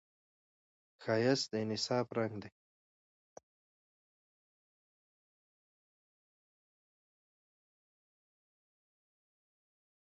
ښایست د انصاف رنګ لري